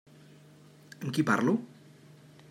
Amb qui parlo?